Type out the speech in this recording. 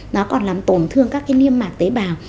nó còn làm tổn thương các cái niêm mạc tế bào